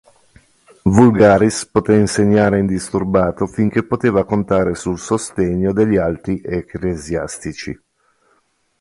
Vulgaris poté insegnare indisturbato finché poteva contare sul sostegno degli alti ecclesiastici.